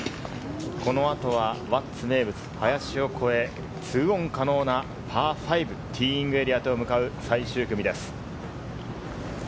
この後は輪厚名物、林を越え、ツーオン可能なパー５、ティーイングエリアへと向かう最終組です。